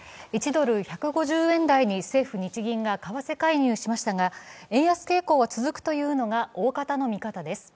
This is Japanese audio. １ドル＝１５０円台に政府・日銀が市場介入しましたが円安傾向は続くというのが大方の見方です。